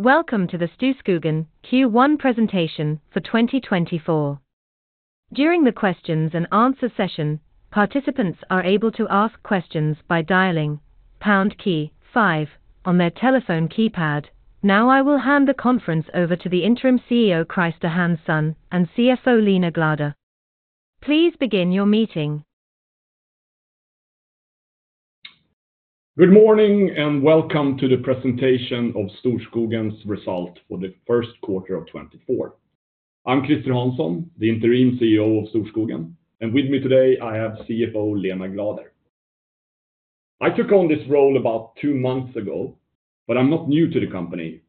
Welcome to the Storskogen Q1 presentation for 2024. During the questions and answers session, participants are able to ask questions by dialing pound key five on their telephone keypad. Now I will hand the conference over to the Interim CEO Christer Hansson and CFO Lena Glader. Please begin your meeting. Good morning and welcome to the presentation of Storskogen's results for the first quarter of 2024. I'm Christer Hansson, the interim CEO of Storskogen, and with me today I have CFO Lena Glader. I took on this role about 2 months ago, but I'm not new to the company.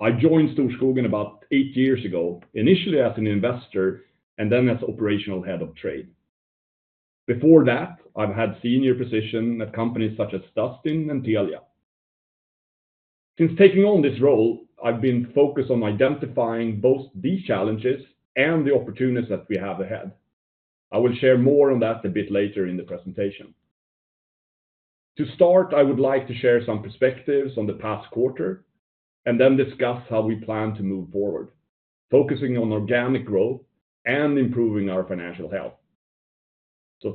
I joined Storskogen about 8 years ago, initially as an investor and then as operational head of trade. Before that, I've had senior positions at companies such as Dustin and Telia. Since taking on this role, I've been focused on identifying both the challenges and the opportunities that we have ahead. I will share more on that a bit later in the presentation. To start, I would like to share some perspectives on the past quarter and then discuss how we plan to move forward, focusing on organic growth and improving our financial health.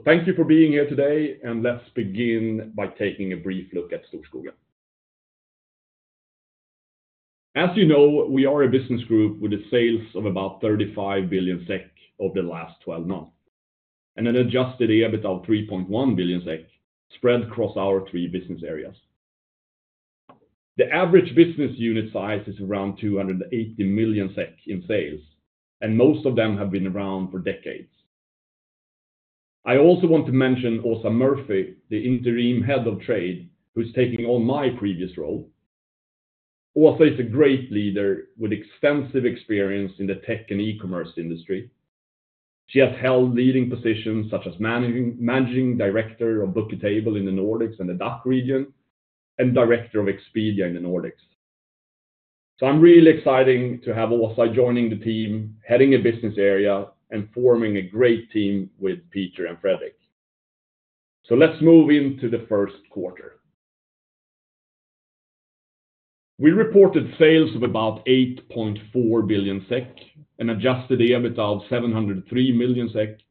Thank you for being here today, and let's begin by taking a brief look at Storskogen. As you know, we are a business group with sales of about 35 billion SEK over the last 12 months, and an Adjusted EBITDA of 3.1 billion SEK spread across our three business areas. The average business unit size is around 280 million SEK in sales, and most of them have been around for decades. I also want to mention Åsa Murphy, the interim head of Trade who's taking on my previous role. Åsa is a great leader with extensive experience in the tech and e-commerce industry. She has held leading positions such as managing director of Bookatable in the Nordics and the DACH region, and director of Expedia in the Nordics. So I'm really excited to have Åsa joining the team, heading a business area, and forming a great team with Peter and Fredrik. Let's move into the first quarter. We reported sales of about 8.4 billion SEK, an Adjusted EBITDA of 703 million SEK,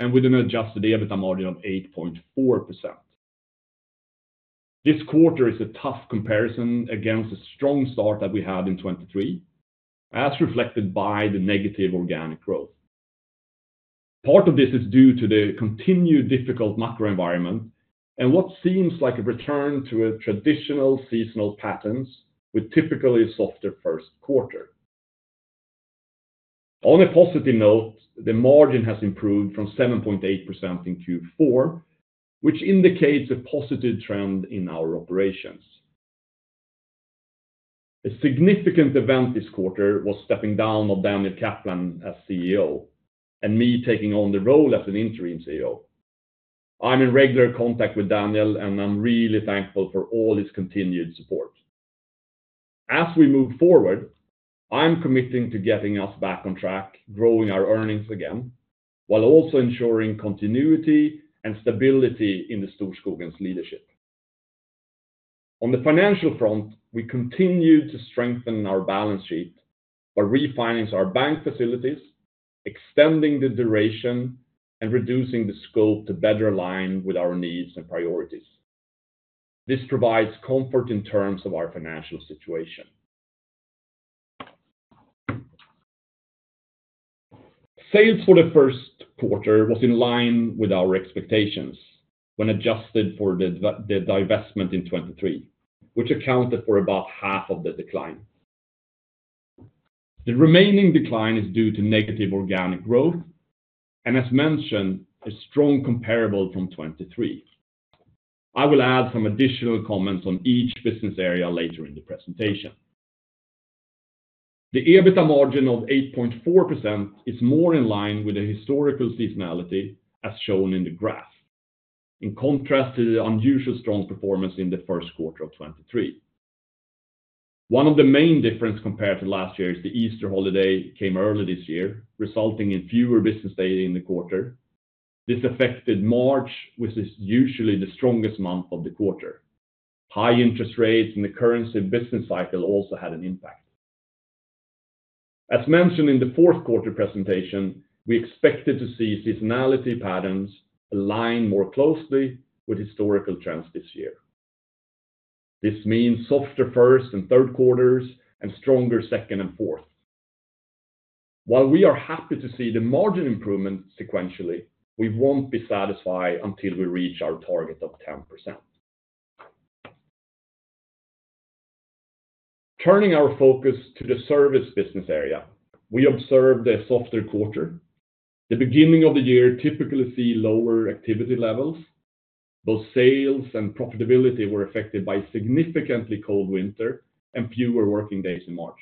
and with an Adjusted EBITDA margin of 8.4%. This quarter is a tough comparison against a strong start that we had in 2023, as reflected by the negative organic growth. Part of this is due to the continued difficult macro environment and what seems like a return to traditional seasonal patterns with typically a softer first quarter. On a positive note, the margin has improved from 7.8% in Q4, which indicates a positive trend in our operations. A significant event this quarter was stepping down of Daniel Kaplan as CEO and me taking on the role as an interim CEO. I'm in regular contact with Daniel, and I'm really thankful for all his continued support. As we move forward, I'm committing to getting us back on track, growing our earnings again, while also ensuring continuity and stability in the Storskogen's leadership. On the financial front, we continued to strengthen our balance sheet by refining our bank facilities, extending the duration, and reducing the scope to better align with our needs and priorities. This provides comfort in terms of our financial situation. Sales for the first quarter was in line with our expectations when adjusted for the divestment in 2023, which accounted for about half of the decline. The remaining decline is due to negative organic growth and, as mentioned, a strong comparable from 2023. I will add some additional comments on each business area later in the presentation. The EBITDA margin of 8.4% is more in line with the historical seasonality, as shown in the graph, in contrast to the unusually strong performance in the first quarter of 2023. One of the main differences compared to last year is the Easter holiday came early this year, resulting in fewer business days in the quarter. This affected March, which is usually the strongest month of the quarter. High interest rates and the current business cycle also had an impact. As mentioned in the fourth quarter presentation, we expected to see seasonality patterns align more closely with historical trends this year. This means softer first and third quarters and stronger second and fourth. While we are happy to see the margin improvement sequentially, we won't be satisfied until we reach our target of 10%. Turning our focus to the Services business area, we observed a softer quarter. The beginning of the year typically sees lower activity levels. Both sales and profitability were affected by a significantly cold winter and fewer working days in March.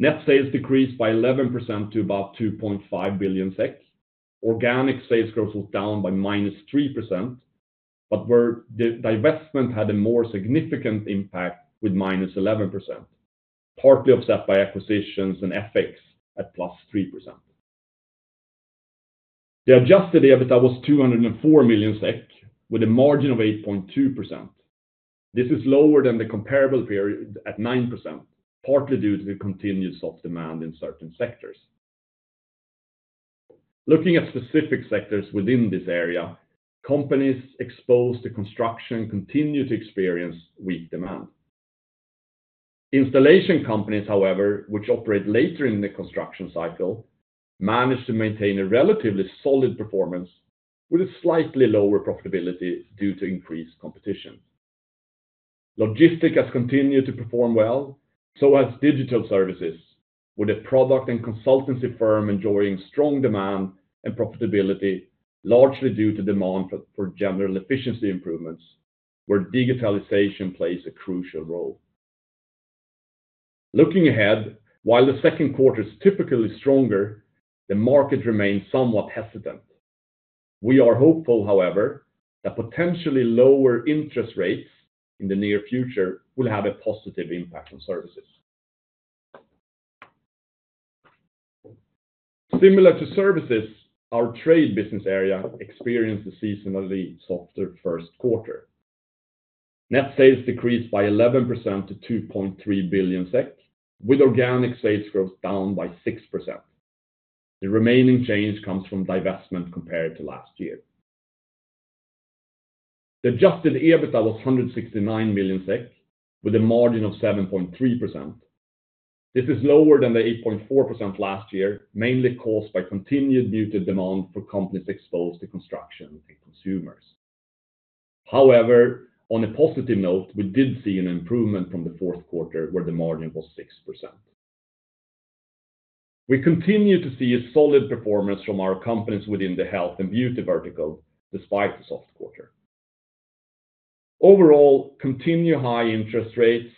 Net sales decreased by 11% to about 2.5 billion. Organic sales growth was down by -3%, but the divestment had a more significant impact with -11%, partly offset by acquisitions and FX at +3%. The Adjusted EBITDA was 204 million SEK, with a margin of 8.2%. This is lower than the comparable period at 9%, partly due to continued soft demand in certain sectors. Looking at specific sectors within this area, companies exposed to construction continue to experience weak demand. Installation companies, however, which operate later in the construction cycle, manage to maintain a relatively solid performance with a slightly lower profitability due to increased competition. Logistics has continued to perform well, so has digital services, with a product and consultancy firm enjoying strong demand and profitability, largely due to demand for general efficiency improvements, where digitalization plays a crucial role. Looking ahead, while the second quarter is typically stronger, the market remains somewhat hesitant. We are hopeful, however, that potentially lower interest rates in the near future will have a positive impact on services. Similar to services, our Trade business area experienced a seasonally softer first quarter. Net sales decreased by 11% to 2.3 billion SEK, with organic sales growth down by 6%. The remaining change comes from divestment compared to last year. The Adjusted EBITDA was 169 million SEK, with a margin of 7.3%. This is lower than the 8.4% last year, mainly caused by continued muted demand for companies exposed to construction and consumers. However, on a positive note, we did see an improvement from the fourth quarter, where the margin was 6%. We continue to see a solid performance from our companies within the Health and Beauty vertical despite the soft quarter. Overall, continue high interest rates,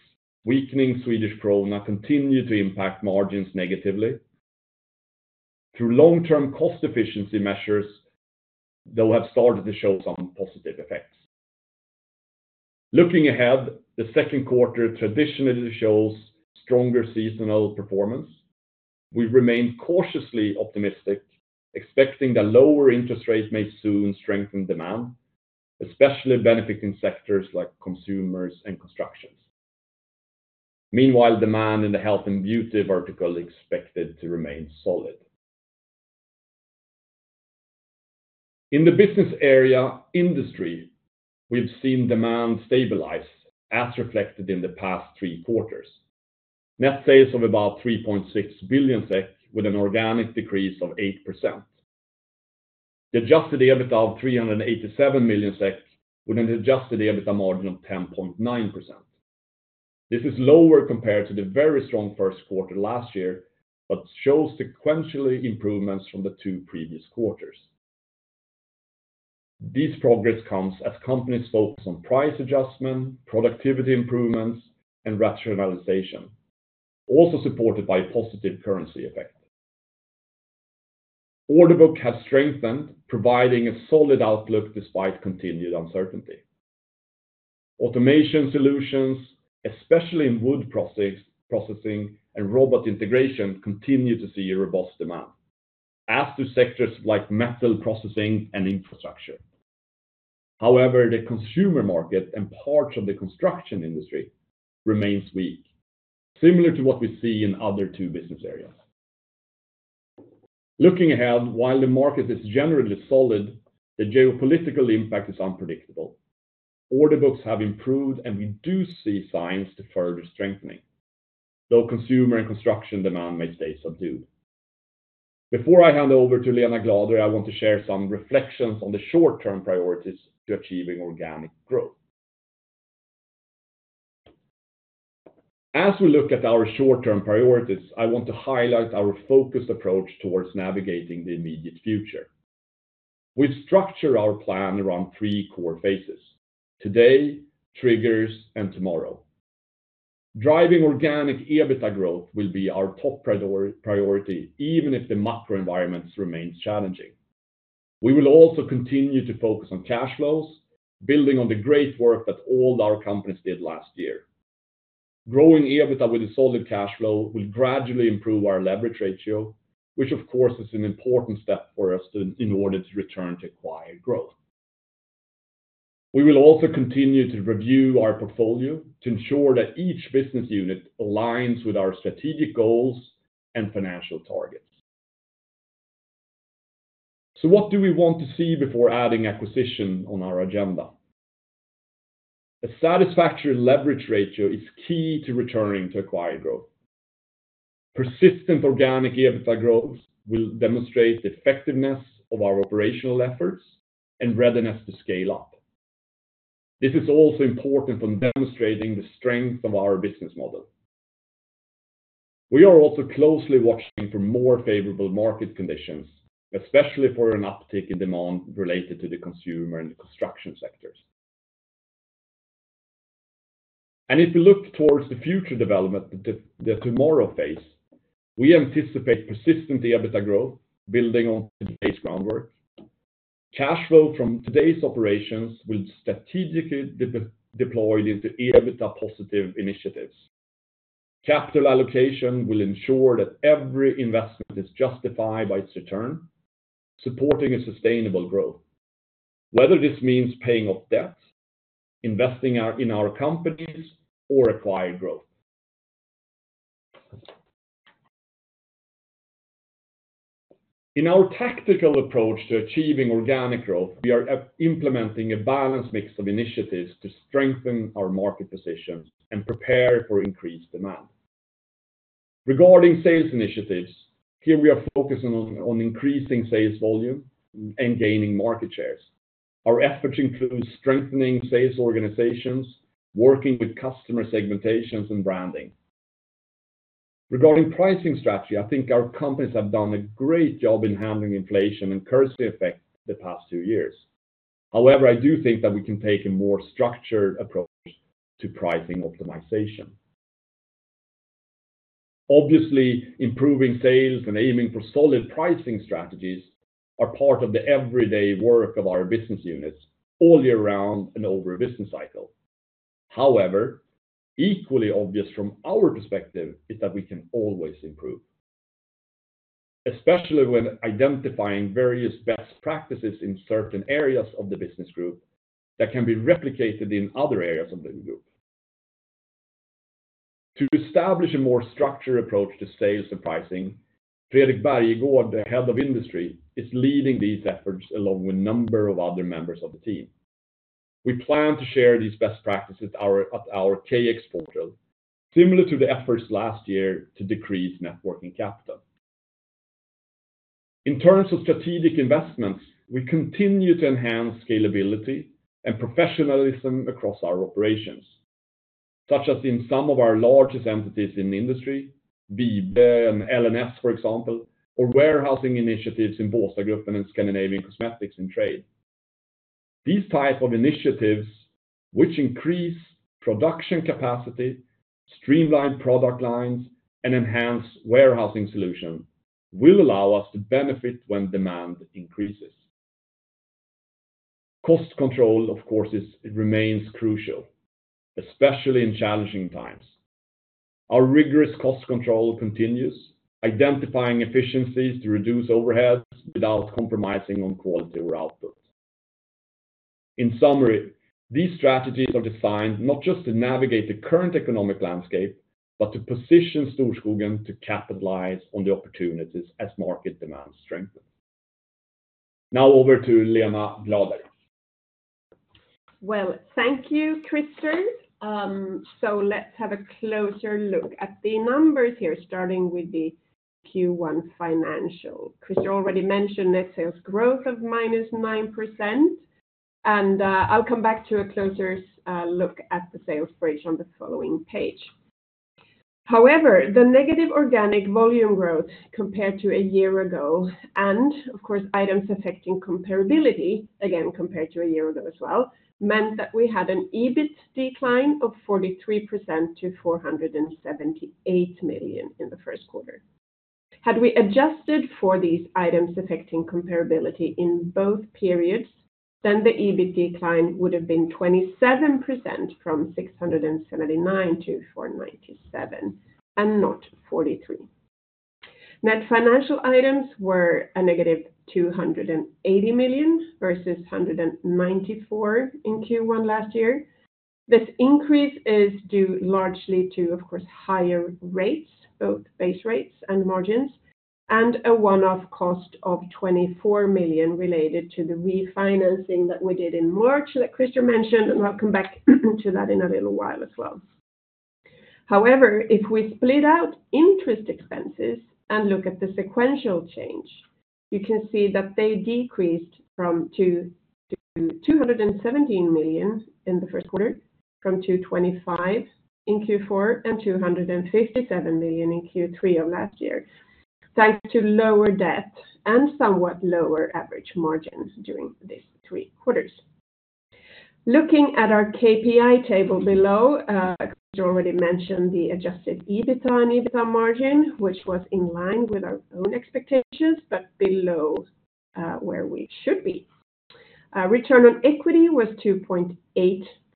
weakening Swedish krona, continue to impact margins negatively. Through long-term cost efficiency measures, though, have started to show some positive effects. Looking ahead, the second quarter traditionally shows stronger seasonal performance. We remain cautiously optimistic, expecting the lower interest rate may soon strengthen demand, especially benefiting sectors like consumers and constructions. Meanwhile, demand in the health and beauty vertical is expected to remain solid. In the Business Area Industry, we've seen demand stabilize, as reflected in the past three quarters. Net sales of about 3.6 billion SEK, with an organic decrease of 8%. The Adjusted EBITDA of 387 million SEK, with an Adjusted EBITDA margin of 10.9%. This is lower compared to the very strong first quarter last year but shows sequentially improvements from the two previous quarters. This progress comes as companies focus on price adjustment, productivity improvements, and rationalization, also supported by a positive currency effect. Order book has strengthened, providing a solid outlook despite continued uncertainty. Automation solutions, especially in wood processing and robot integration, continue to see a robust demand, as do sectors like metal processing and infrastructure. However, the consumer market and parts of the construction industry remain weak, similar to what we see in other two business areas. Looking ahead, while the market is generally solid, the geopolitical impact is unpredictable. Order books have improved, and we do see signs to further strengthening, though consumer and construction demand may stay subdued. Before I hand over to Lena Glader, I want to share some reflections on the short-term priorities to achieving organic growth. As we look at our short-term priorities, I want to highlight our focused approach towards navigating the immediate future. We've structured our plan around three core phases: today, triggers, and tomorrow. Driving organic EBITDA growth will be our top priority, even if the macro environment remains challenging. We will also continue to focus on cash flows, building on the great work that all our companies did last year. Growing EBITDA with a solid cash flow will gradually improve our leverage ratio, which, of course, is an important step for us in order to return to acquired growth. We will also continue to review our portfolio to ensure that each business unit aligns with our strategic goals and financial targets. So what do we want to see before adding acquisition on our agenda? A satisfactory leverage ratio is key to returning to acquired growth. Persistent organic EBITDA growth will demonstrate the effectiveness of our operational efforts and readiness to scale up. This is also important for demonstrating the strength of our business model. We are also closely watching for more favorable market conditions, especially for an uptick in demand related to the consumer and construction sectors. If we look towards the future development, the tomorrow phase, we anticipate persistent EBITDA growth building on today's groundwork. Cash flow from today's operations will be strategically deployed into EBITDA-positive initiatives. Capital allocation will ensure that every investment is justified by its return, supporting a sustainable growth, whether this means paying off debt, investing in our companies, or acquired growth. In our tactical approach to achieving organic growth, we are implementing a balanced mix of initiatives to strengthen our market position and prepare for increased demand. Regarding sales initiatives, here we are focusing on increasing sales volume and gaining market shares. Our efforts include strengthening sales organizations, working with customer segmentations, and branding. Regarding pricing strategy, I think our companies have done a great job in handling inflation and currency effect the past two years. However, I do think that we can take a more structured approach to pricing optimization. Obviously, improving sales and aiming for solid pricing strategies are part of the everyday work of our business units all year round and over a business cycle. However, equally obvious from our perspective is that we can always improve, especially when identifying various best practices in certain areas of the business group that can be replicated in other areas of the group. To establish a more structured approach to sales and pricing, Fredrik Bergegård, the Head of Industry, is leading these efforts along with a number of other members of the team. We plan to share these best practices at our KX portal, similar to the efforts last year to decrease net working capital. In terms of strategic investments, we continue to enhance scalability and professionalism across our operations, such as in some of our largest entities in the industry, PV and LNS, for example, or warehousing initiatives in Båstadgruppen and Scandinavian Cosmetics in trade. These types of initiatives, which increase production capacity, streamline product lines, and enhance warehousing solutions, will allow us to benefit when demand increases. Cost control, of course, remains crucial, especially in challenging times. Our rigorous cost control continues, identifying efficiencies to reduce overheads without compromising on quality or output. In summary, these strategies are designed not just to navigate the current economic landscape but to position Storskogen to capitalize on the opportunities as market demand strengthens. Now over to Lena Glader. Well, thank you, Christer. So let's have a closer look at the numbers here, starting with the Q1 financial. Christer already mentioned net sales growth of -9%, and I'll come back to a closer look at the sales bridge on the following page. However, the negative organic volume growth compared to a year ago and, of course, items affecting comparability, again, compared to a year ago as well, meant that we had an EBIT decline of 43% to 478 million in the first quarter. Had we adjusted for these items affecting comparability in both periods, then the EBIT decline would have been 27% from 679 to 497 and not 43. Net financial items were a negative 280 million versus 194 in Q1 last year. This increase is due largely to, of course, higher rates, both base rates and margins, and a one-off cost of 24 million related to the refinancing that we did in March that Christer mentioned, and I'll come back to that in a little while as well. However, if we split out interest expenses and look at the sequential change, you can see that they decreased from 217 million in the first quarter from 225 million in Q4 and 257 million in Q3 of last year, thanks to lower debt and somewhat lower average margin during these three quarters. Looking at our KPI table below, Christer already mentioned the Adjusted EBITDA and EBITDA margin, which was in line with our own expectations but below where we should be. Return on equity was 2.8%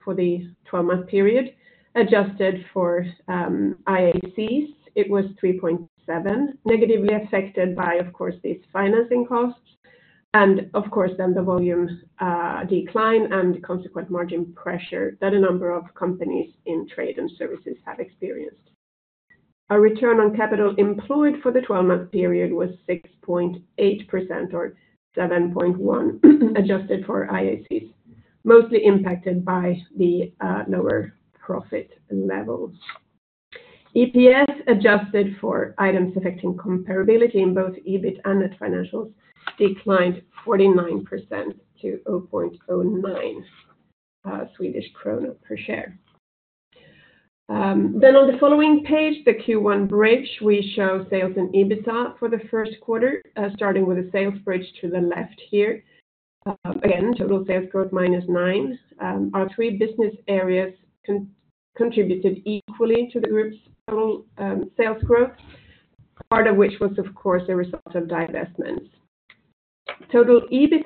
for the 12-month period. Adjusted for IACs, it was 3.7, negatively affected by, of course, these financing costs and, of course, then the volume decline and consequent margin pressure that a number of companies in trade and services have experienced. Our return on capital employed for the 12-month period was 6.8% or 7.1% adjusted for IACs, mostly impacted by the lower profit levels. EPS adjusted for items affecting comparability in both EBIT and net financials declined 49% to 0.09 Swedish krona per share. Then on the following page, the Q1 bridge, we show sales and EBITDA for the first quarter, starting with the sales bridge to the left here. Again, total sales growth -9%. Our three business areas contributed equally to the group's total sales growth, part of which was, of course, a result of divestments. Total EBITDA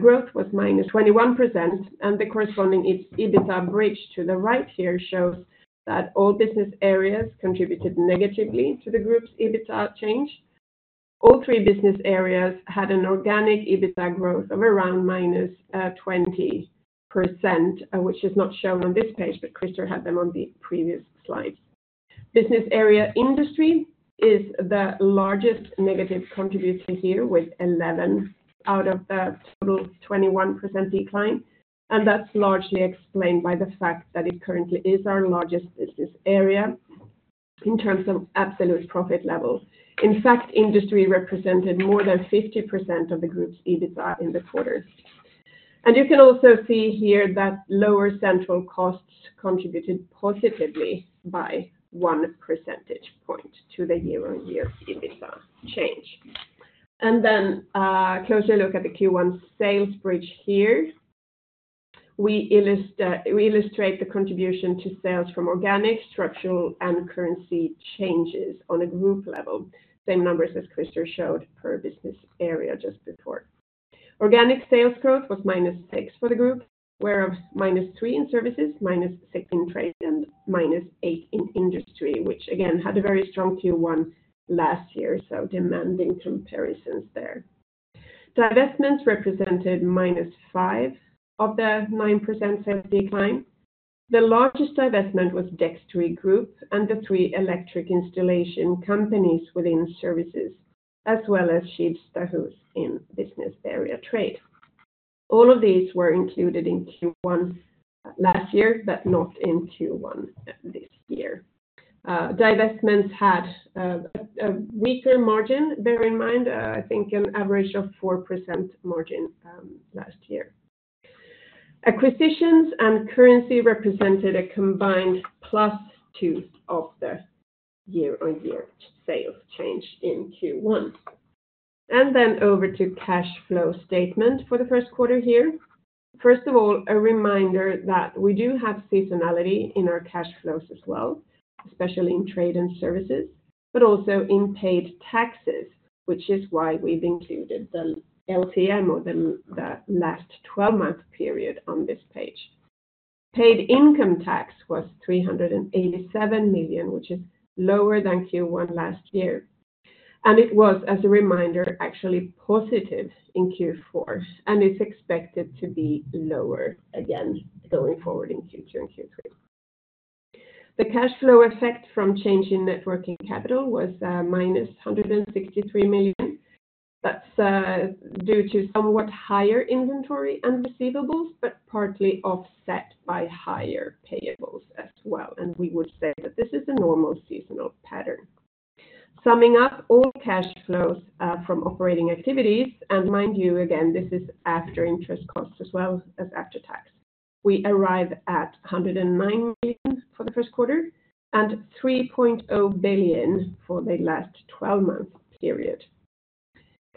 growth was -21%, and the corresponding EBITDA bridge to the right here shows that all business areas contributed negatively to the group's EBITDA change. All three business areas had an organic EBITDA growth of around -20%, which is not shown on this page, but Christer had them on the previous slides. Business Area Industry is the largest negative contributor here, with 11 out of the total 21% decline, and that's largely explained by the fact that it currently is our largest business area in terms of absolute profit level. In fact, Industry represented more than 50% of the group's EBITDA in the quarter. And you can also see here that lower central costs contributed positively by one percentage point to the year-on-year EBITDA change. And then a closer look at the Q1 sales bridge here. We illustrate the contribution to sales from organic, structural, and currency changes on a group level, same numbers as Christer showed per business area just before. Organic sales growth was -6% for the group, whereas -3% in services, -6% in trade, and -8% in industry, which again had a very strong Q1 last year, so demanding comparisons there. Divestments represented -5% of the 9% sales decline. The largest divestment was Dextry Group and the three electric installation companies within services, as well as Skidstahus in Business Area Trade. All of these were included in Q1 last year but not in Q1 this year. Divestments had a weaker margin, bear in mind, I think an average of 4% margin last year. Acquisitions and currency represented a combined +2% of the year-on-year sales change in Q1. Then over to cash flow statement for the first quarter here. First of all, a reminder that we do have seasonality in our cash flows as well, especially in trade and services, but also in paid taxes, which is why we've included the LTM or the last 12-month period on this page. Paid income tax was 387 million, which is lower than Q1 last year. It was, as a reminder, actually positive in Q4, and it's expected to be lower again going forward in Q2 and Q3. The cash flow effect from change in net working capital was -163 million. That's due to somewhat higher inventory and receivables but partly offset by higher payables as well, and we would say that this is a normal seasonal pattern. Summing up all cash flows from operating activities and, mind you, again, this is after interest costs as well as after tax, we arrive at 109 million for the first quarter and 3.0 billion for the last 12-month period.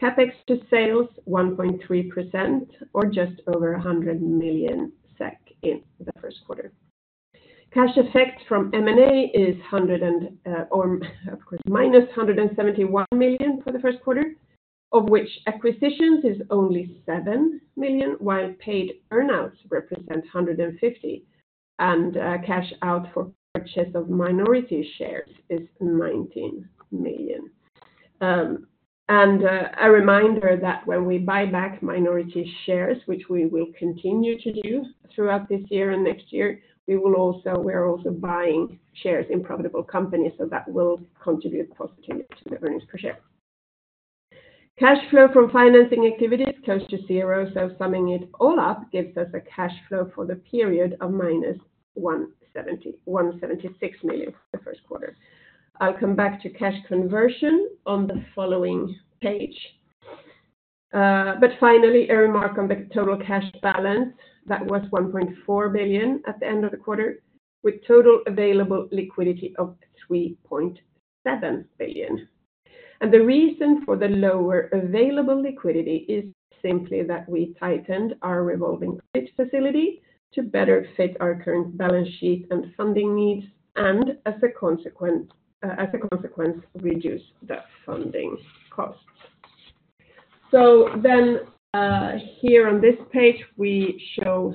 CapEx to sales, 1.3% or just over 100 million SEK in the first quarter. Cash effect from M&A is, of course, -171 million for the first quarter, of which acquisitions is only 7 million, while paid earnouts represent 150 million, and cash out for purchase of minority shares is 19 million. And a reminder that when we buy back minority shares, which we will continue to do throughout this year and next year, we are also buying shares in profitable companies, so that will contribute positively to the earnings per share. Cash flow from financing activities close to zero, so summing it all up gives us a cash flow for the period of -176 million for the first quarter. I'll come back to cash conversion on the following page. Finally, a remark on the total cash balance. That was 1.4 billion at the end of the quarter, with total available liquidity of 3.7 billion. The reason for the lower available liquidity is simply that we tightened our revolving credit facility to better fit our current balance sheet and funding needs and, as a consequence, reduce the funding costs. Then here on this page, we show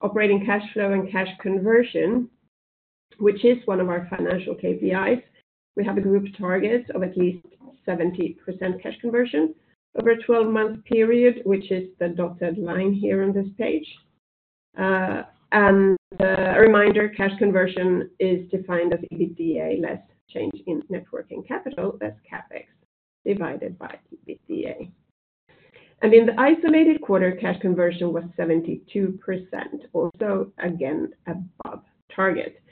operating cash flow and cash conversion, which is one of our financial KPIs. We have a group target of at least 70% cash conversion over a 12-month period, which is the dotted line here on this page. And a reminder, cash conversion is defined as EBITDA less change in net working capital, that's CapEx divided by EBITDA. And in the isolated quarter, cash conversion was 72%, also again above target.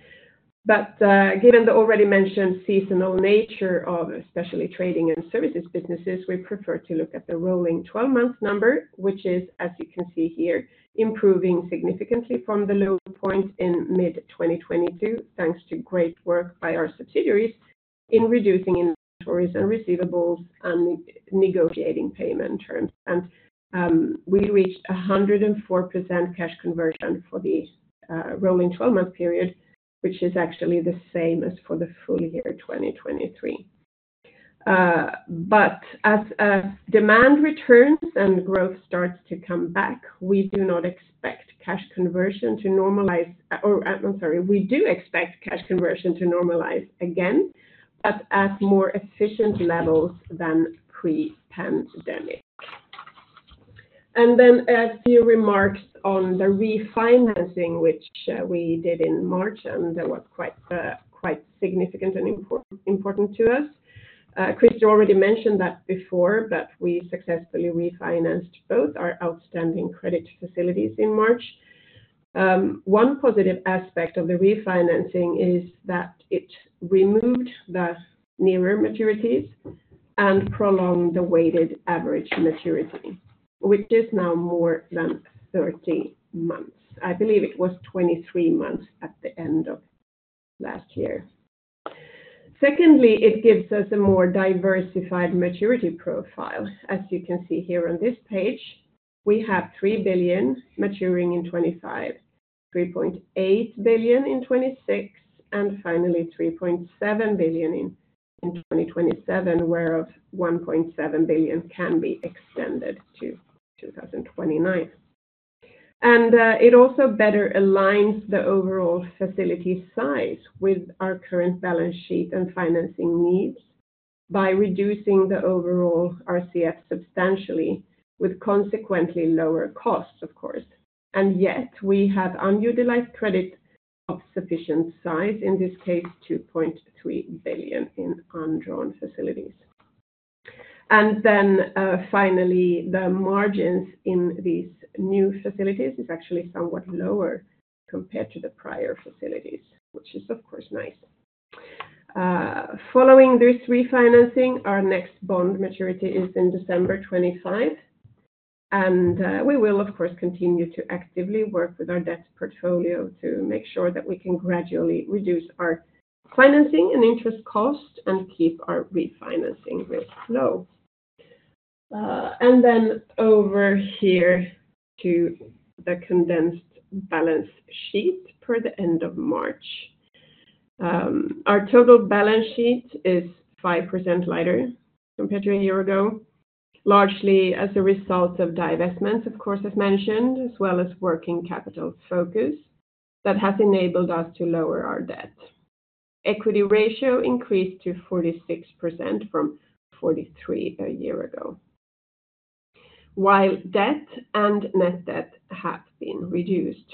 But given the already mentioned seasonal nature of especially trading and services businesses, we prefer to look at the rolling 12-month number, which is, as you can see here, improving significantly from the low point in mid-2022 thanks to great work by our subsidiaries in reducing inventories and receivables and negotiating payment terms. And we reached 104% cash conversion for the rolling 12-month period, which is actually the same as for the full year 2023. But as demand returns and growth starts to come back, we do not expect cash conversion to normalize or, I'm sorry, we do expect cash conversion to normalize again, but at more efficient levels than pre-pandemic. And then a few remarks on the refinancing, which we did in March and that was quite significant and important to us. Christer already mentioned that before, but we successfully refinanced both our outstanding credit facilities in March. One positive aspect of the refinancing is that it removed the nearer maturities and prolonged the weighted average maturity, which is now more than 30 months. I believe it was 23 months at the end of last year. Secondly, it gives us a more diversified maturity profile. As you can see here on this page, we have 3 billion maturing in 2025, 3.8 billion in 2026, and finally 3.7 billion in 2027, whereas 1.7 billion can be extended to 2029. It also better aligns the overall facility size with our current balance sheet and financing needs by reducing the overall RCF substantially with consequently lower costs, of course. Yet, we have unutilized credit of sufficient size, in this case, 2.3 billion in undrawn facilities. Then finally, the margins in these new facilities is actually somewhat lower compared to the prior facilities, which is, of course, nice. Following this refinancing, our next bond maturity is in December 2025, and we will, of course, continue to actively work with our debt portfolio to make sure that we can gradually reduce our financing and interest costs and keep our refinancing risk low. Then over here to the condensed balance sheet per the end of March, our total balance sheet is 5% lighter compared to a year ago, largely as a result of divestments, of course, as mentioned, as well as working capital focus that has enabled us to lower our debt. Equity ratio increased to 46% from 43% a year ago, while debt and net debt have been reduced.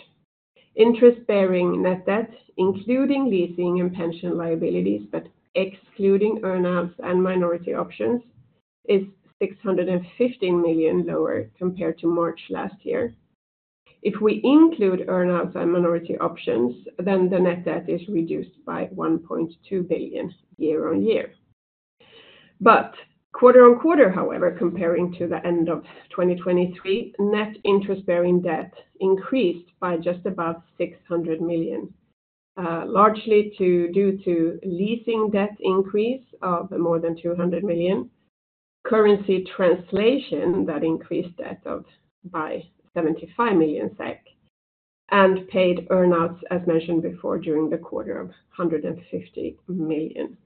Interest-bearing net debt, including leasing and pension liabilities but excluding earnouts and minority options, is 615 million lower compared to March last year. If we include earnouts and minority options, then the net debt is reduced by 1.2 billion year-on-year. But quarter-on-quarter, however, comparing to the end of 2023, net interest-bearing debt increased by just above 600 million, largely due to leasing debt increase of more than 200 million, currency translation that increased debt by 75 million SEK, and paid earnouts, as mentioned before, during the quarter of 150 million.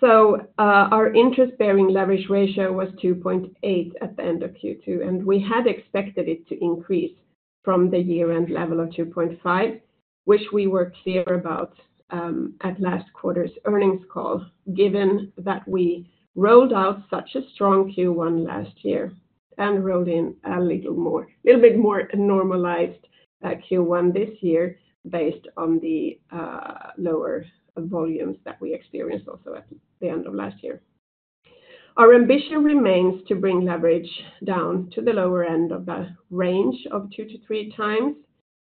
So our interest-bearing leverage ratio was 2.8 at the end of Q2, and we had expected it to increase from the year-end level of 2.5, which we were clear about at last quarter's earnings call, given that we rolled out such a strong Q1 last year and rolled in a little bit more normalized Q1 this year based on the lower volumes that we experienced also at the end of last year. Our ambition remains to bring leverage down to the lower end of the range of 2-3x,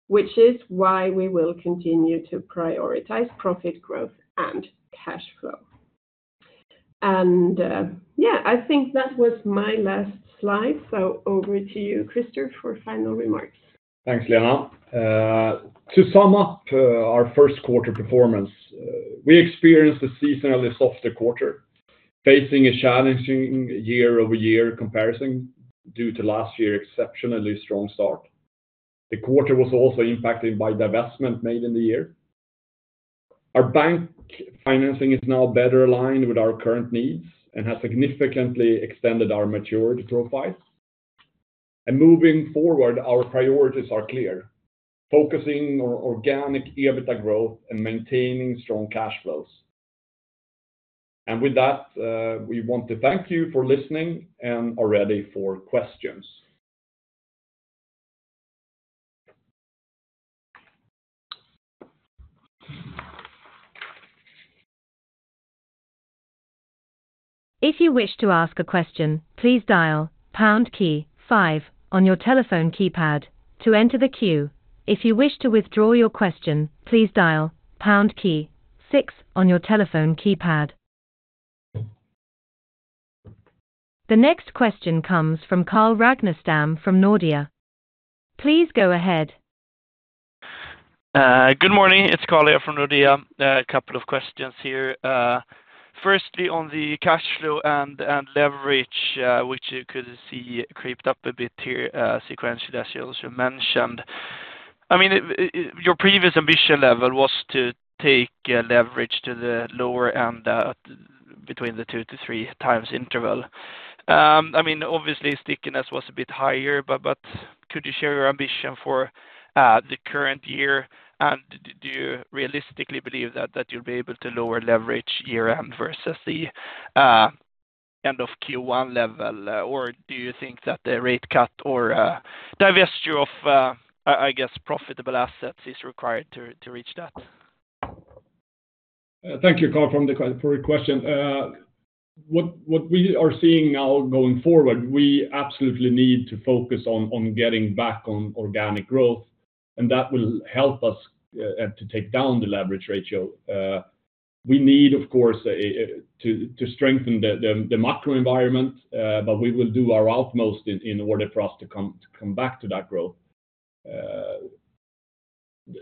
which is why we will continue to prioritize profit growth and cash flow. And yeah, I think that was my last slide. So over to you, Christer, for final remarks. Thanks, Lena. To sum up our first quarter performance, we experienced a seasonally softer quarter, facing a challenging year-over-year comparison due to last year's exceptionally strong start. The quarter was also impacted by divestment made in the year. Our bank financing is now better aligned with our current needs and has significantly extended our maturity profile. Moving forward, our priorities are clear: focusing on organic EBITDA growth and maintaining strong cash flows. With that, we want to thank you for listening and are ready for questions. If you wish to ask a question, please dial pound key five on your telephone keypad to enter the queue. If you wish to withdraw your question, please dial pound key six on your telephone keypad. The next question comes from Carl Ragnerstam from Nordea. Please go ahead. Good morning. It's Karl here from Nordea. A couple of questions here. Firstly, on the cash flow and leverage, which you could see crept up a bit here sequentially, as you also mentioned. I mean, your previous ambition level was to take leverage to the lower end between the 2-3x interval. I mean, obviously, stickiness was a bit higher, but could you share your ambition for the current year, and do you realistically believe that you'll be able to lower leverage year-end versus the end of Q1 level, or do you think that the rate cut or divestiture of, I guess, profitable assets is required to reach that? Thank you, Karl, for your question. What we are seeing now going forward, we absolutely need to focus on getting back on organic growth, and that will help us to take down the leverage ratio. We need, of course, to strengthen the macro environment, but we will do our utmost in order for us to come back to that growth.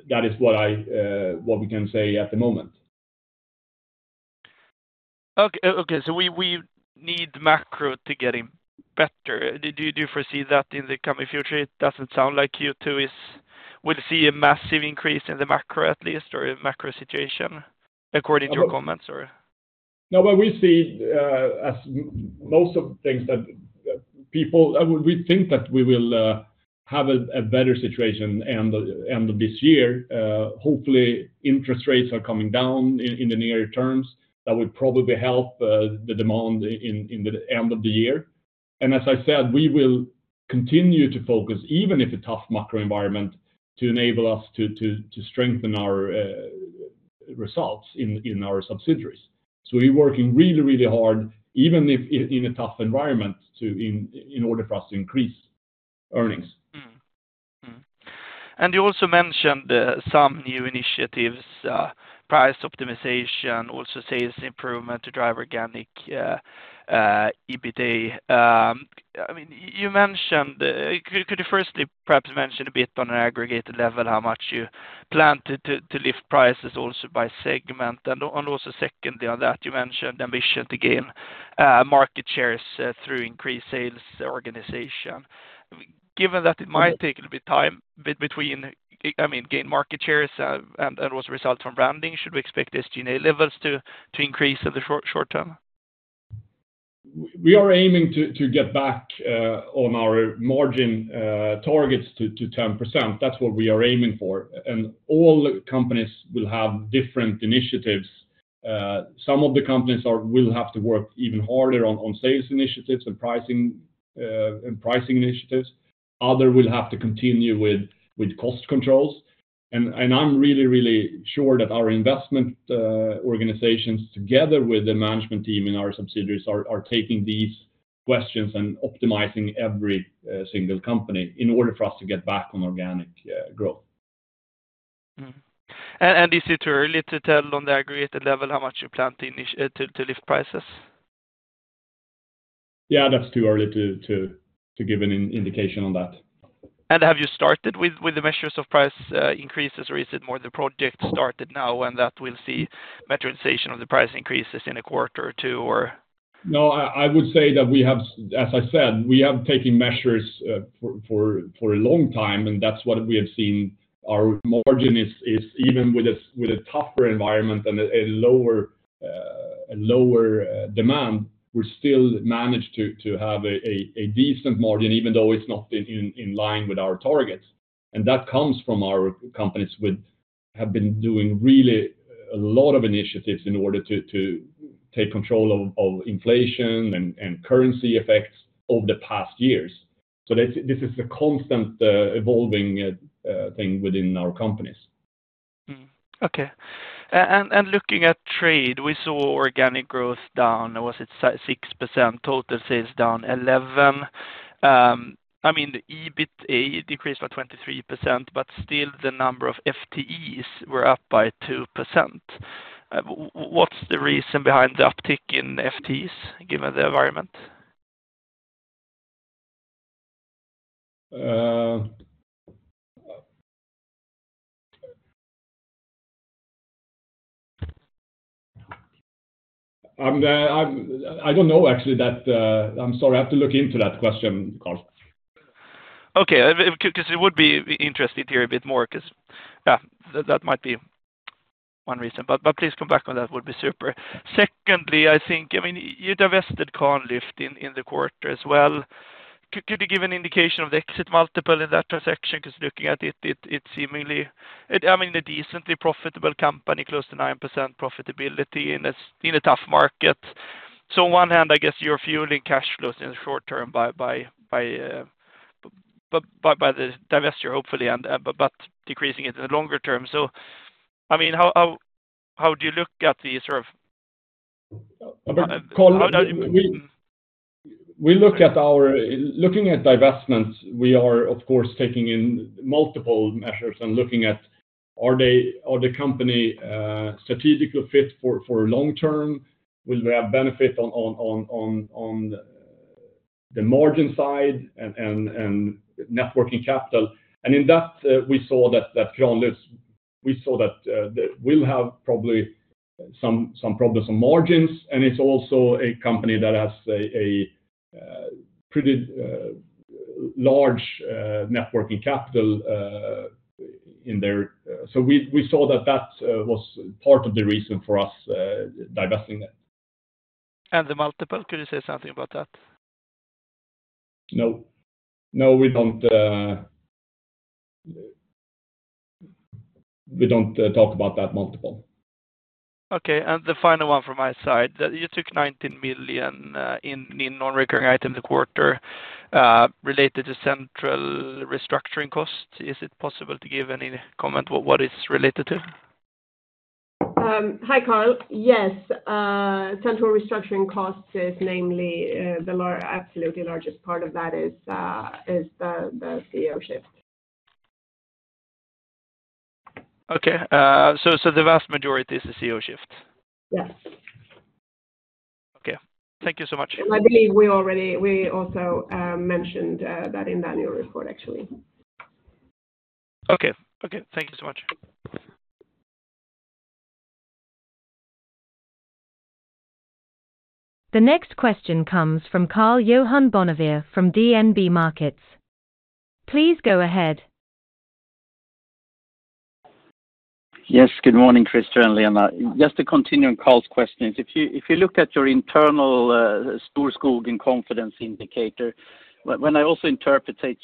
That is what we can say at the moment. Okay. So we need macro to get better. Do you foresee that in the coming future? It doesn't sound like Q2 will see a massive increase in the macro at least, or macro situation, according to your comments, or? No, but we see, as most of the things that people we think that we will have a better situation end of this year. Hopefully, interest rates are coming down in the near terms. That will probably help the demand in the end of the year. As I said, we will continue to focus, even if a tough macro environment, to enable us to strengthen our results in our subsidiaries. So we're working really, really hard, even if in a tough environment, in order for us to increase earnings. You also mentioned some new initiatives: price optimization, also sales improvement to drive organic EBITDA. I mean, you mentioned, could you firstly, perhaps, mention a bit on an aggregated level how much you plan to lift prices also by segment? And also secondly, on that, you mentioned ambition to gain market shares through increased sales organization. Given that it might take a little bit of time between, I mean, gain market shares and also result from branding, should we expect SG&A levels to increase in the short term? We are aiming to get back on our margin targets to 10%. That's what we are aiming for. All companies will have different initiatives. Some of the companies will have to work even harder on sales initiatives and pricing initiatives. Others will have to continue with cost controls. I'm really, really sure that our investment organizations, together with the management team in our subsidiaries, are taking these questions and optimizing every single company in order for us to get back on organic growth. Is it too early to tell on the aggregated level how much you plan to lift prices? Yeah, that's too early to give an indication on that. Have you started with the measures of price increases, or is it more the project started now and that we'll see materialization of the price increases in a quarter or two, or? No, I would say that we have, as I said, we have taken measures for a long time, and that's what we have seen. Our margin is even with a tougher environment and a lower demand. We still manage to have a decent margin, even though it's not in line with our targets. And that comes from our companies that have been doing really a lot of initiatives in order to take control of inflation and currency effects over the past years. So this is a constant evolving thing within our companies. Okay. And looking at trade, we saw organic growth down. Was it 6%? Total sales down 11%. I mean, EBITDA decreased by 23%, but still the number of FTEs were up by 2%. What's the reason behind the uptick in FTEs, given the environment? I don't know, actually. I'm sorry. I have to look into that question, Karl. Okay. Because it would be interesting to hear a bit more, because yeah, that might be one reason. But please come back on that. It would be super. Secondly, I think I mean, you divested AB Kranlyft in the quarter as well. Could you give an indication of the exit multiple in that transaction? Because looking at it, it's seemingly I mean, a decently profitable company, close to 9% profitability in a tough market. So on one hand, I guess you're fueling cash flows in the short term by the divestiture, hopefully, but decreasing it in the longer term. So I mean, how do you look at these sort of? We're looking at divestments. We are, of course, taking multiple measures and looking at: are the company strategically fit for the long term? Will we have benefit on the margin side and net working capital? And in that, we saw that Kranlyft will have probably some problems on margins. And it's also a company that has a pretty large net working capital in there. So we saw that that was part of the reason for us divesting it. The multiple, could you say something about that? No. No, we don't talk about that multiple. Okay. And the final one from my side, you took 19 million in non-recurring items the quarter related to central restructuring costs. Is it possible to give any comment what it's related to? Hi, Karl. Yes. Central restructuring costs, namely, the absolutely largest part of that is the CEO shift. Okay. So the vast majority is the CEO shift? Yes. Okay. Thank you so much. I believe we also mentioned that in the annual report, actually. Okay. Okay. Thank you so much. The next question comes from Karl-Johan Bonnevier from DNB Markets. Please go ahead. Yes. Good morning, Christer and Lena. Just to continue on Karl's questions, if you look at your internal Storskogen Confidence indicator, when I also interpreted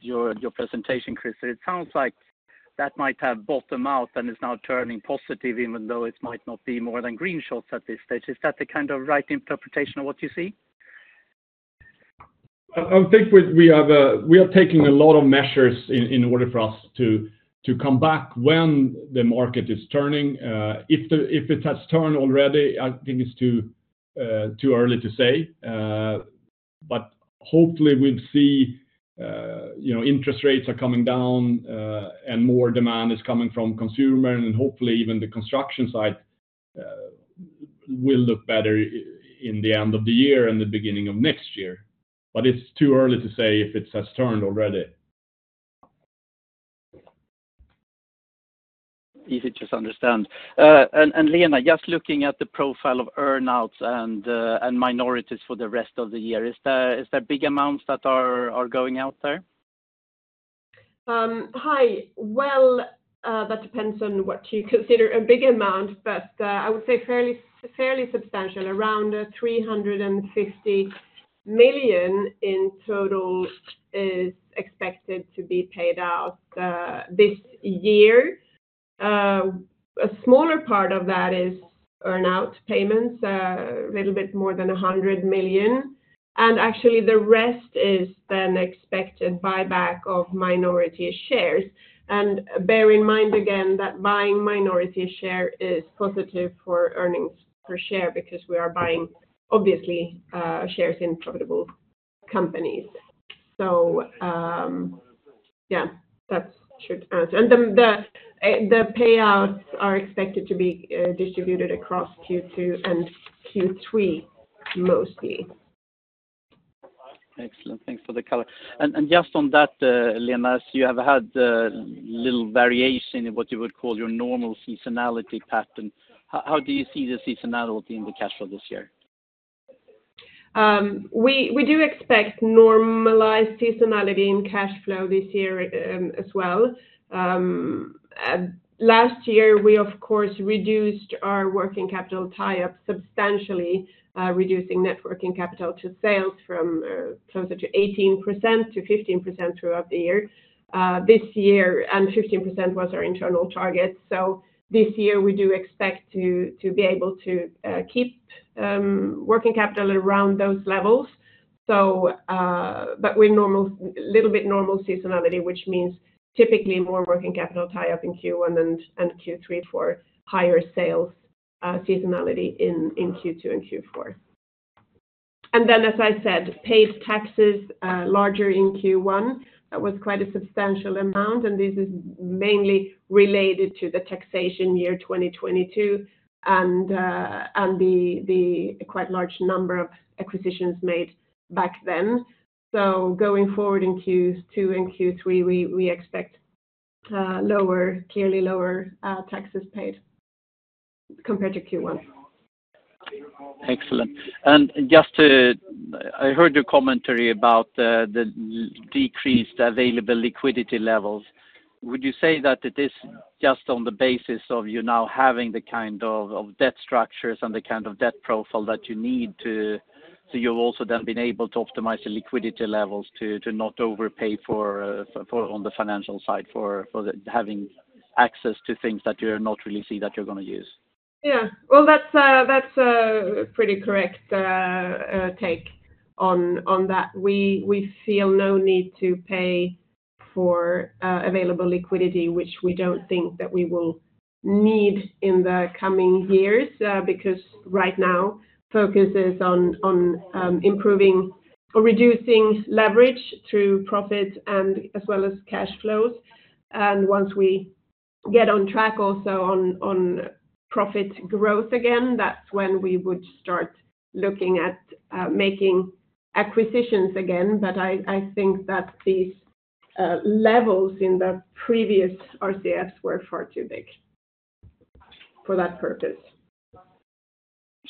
your presentation, Christer, it sounds like that might have bottomed out and is now turning positive, even though it might not be more than green shoots at this stage. Is that the kind of right interpretation of what you see? I think we are taking a lot of measures in order for us to come back when the market is turning. If it has turned already, I think it's too early to say. But hopefully, we'll see interest rates are coming down and more demand is coming from consumers, and hopefully, even the construction side will look better in the end of the year and the beginning of next year. But it's too early to say if it has turned already. Easy to just understand. And Lena, just looking at the profile of earnouts and minorities for the rest of the year, is there big amounts that are going out there? Hi. Well, that depends on what you consider a big amount, but I would say fairly substantial. Around 350 million in total is expected to be paid out this year. A smaller part of that is earnout payments, a little bit more than 100 million. And actually, the rest is then expected buyback of minority shares. And bear in mind, again, that buying minority a share is positive for earnings per share because we are buying, obviously, shares in profitable companies. So yeah, that should answer. And the payouts are expected to be distributed across Q2 and Q3, mostly. Excellent. Thanks for the color. Just on that, Lena, as you have had a little variation in what you would call your normal seasonality pattern, how do you see the seasonality in the cash flow this year? We do expect normalized seasonality in cash flow this year as well. Last year, we, of course, reduced our working capital tie-up substantially, reducing net working capital to sales from closer to 18% to 15% throughout the year. 15% was our internal target. This year, we do expect to be able to keep working capital around those levels. With a little bit normal seasonality, which means typically more working capital tie-up in Q1 and Q3. For higher sales seasonality in Q2 and Q4. Then, as I said, paid taxes larger in Q1. That was quite a substantial amount. This is mainly related to the taxation year 2022 and the quite large number of acquisitions made back then. Going forward in Q2 and Q3, we expect clearly lower taxes paid compared to Q1. Excellent. And I heard your commentary about the decreased available liquidity levels. Would you say that it is just on the basis of you now having the kind of debt structures and the kind of debt profile that you need to so you've also then been able to optimize the liquidity levels to not overpay on the financial side for having access to things that you're not really seeing that you're going to use? Yeah. Well, that's a pretty correct take on that. We feel no need to pay for available liquidity, which we don't think that we will need in the coming years because right now, focus is on improving or reducing leverage through profits as well as cash flows. And once we get on track also on profit growth again, that's when we would start looking at making acquisitions again. But I think that these levels in the previous RCFs were far too big for that purpose.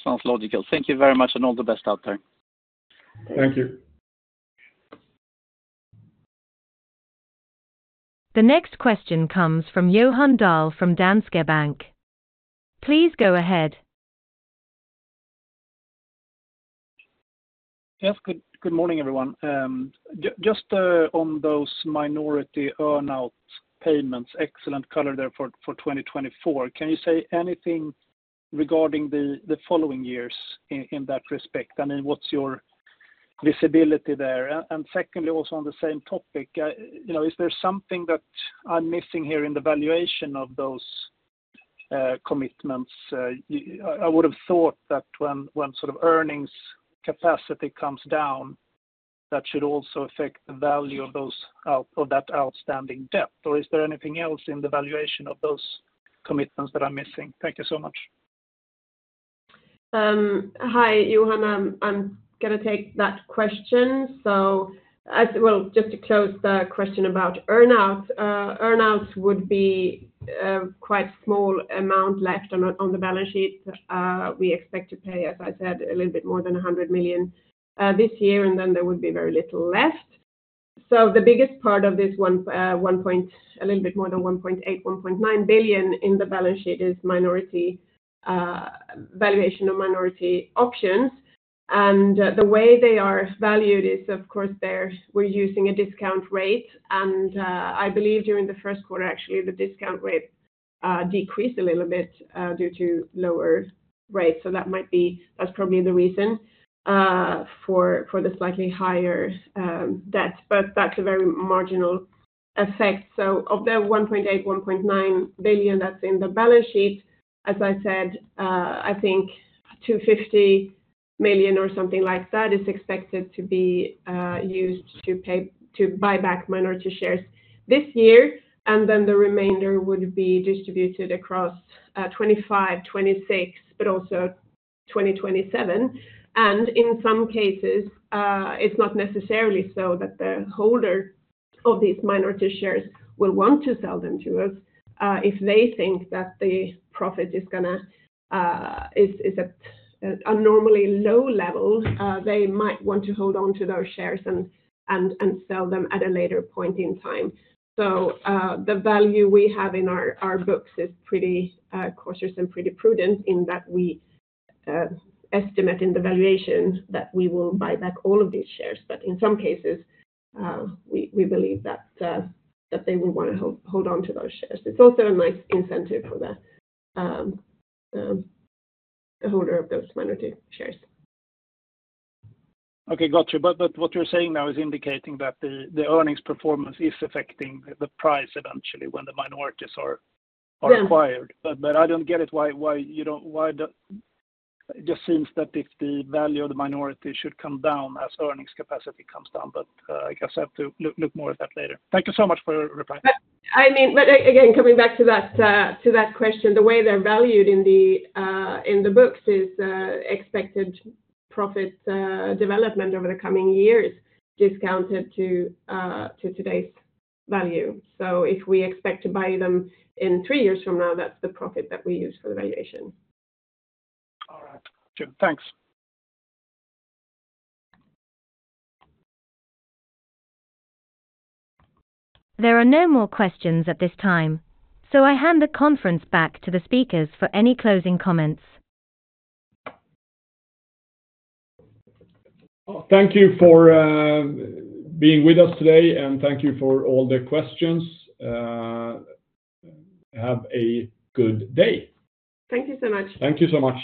Sounds logical. Thank you very much, and all the best out there. Thank you. The next question comes from Johan Dahl from Danske Bank. Please go ahead. Yes. Good morning, everyone. Just on those minority earnout payments, excellent color there for 2024. Can you say anything regarding the following years in that respect? I mean, what's your visibility there? And secondly, also on the same topic, is there something that I'm missing here in the valuation of those commitments? I would have thought that when sort of earnings capacity comes down, that should also affect the value of that outstanding debt. Or is there anything else in the valuation of those commitments that I'm missing? Thank you so much. Hi, Johan. I'm going to take that question. So well, just to close the question about earnouts, earnouts would be quite a small amount left on the balance sheet. We expect to pay, as I said, a little bit more than 100 million this year, and then there would be very little left. So the biggest part of this one, a little bit more than 1.8 billion-1.9 billion in the balance sheet is minority valuation of minority options. And the way they are valued is, of course, we're using a discount rate. And I believe during the first quarter, actually, the discount rate decreased a little bit due to lower rates. So that's probably the reason for the slightly higher debt. But that's a very marginal effect. So of the 1.8 billion-1.9 billion that's in the balance sheet, as I said, I think 250 million or something like that is expected to be used to buy back minority shares this year. And then the remainder would be distributed across 2025, 2026, but also 2027. And in some cases, it's not necessarily so that the holder of these minority shares will want to sell them to us. If they think that the profit is at an abnormally low level, they might want to hold on to those shares and sell them at a later point in time. So the value we have in our books is pretty cautious and pretty prudent in that we estimate in the valuation that we will buy back all of these shares. But in some cases, we believe that they will want to hold on to those shares. It's also a nice incentive for the holder of those minority shares. Okay. Got you. But what you're saying now is indicating that the earnings performance is affecting the price eventually when the minorities are acquired. But I don't get it, why you don't. Why it just seems that if the value of the minority should come down as earnings capacity comes down. But I guess I have to look more at that later. Thank you so much for your reply. I mean, but again, coming back to that question, the way they're valued in the books is expected profit development over the coming years discounted to today's value. So if we expect to buy them in three years from now, that's the profit that we use for the valuation. All right. Got you. Thanks. There are no more questions at this time, so I hand the conference back to the speakers for any closing comments. Thank you for being with us today, and thank you for all the questions. Have a good day. Thank you so much. Thank you so much.